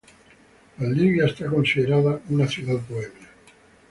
Valdivia es considerada una ciudad bohemia.